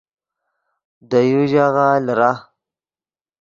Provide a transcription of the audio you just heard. دے یو ژاغہ لیرہ